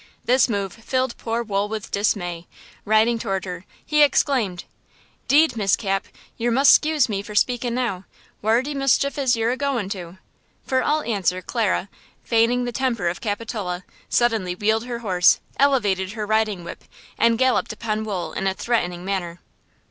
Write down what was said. This move filled poor Wool with dismay. Riding toward her, he exclaimed: "'Deed, Miss Cap, yer mus' scuse me for speakin' now! Whar de muschief is yer a goin' to?" For all answer Clara, feigning the temper of Capitola, suddenly wheeled her horse, elevated her riding whip and galloped upon Wool in a threatening manner.